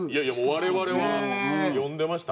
我々は読んでました。